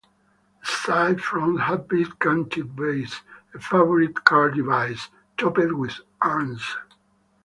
The side fronts have deep canted bays, a favourite Carr device, topped with urns.